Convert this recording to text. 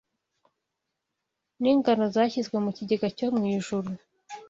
n’ingano zashyizwe mu kigega cyo mu ijuru